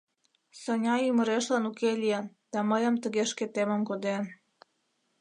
Соня ӱмырешлан уке лийын да мыйым тыге шкетемым коден.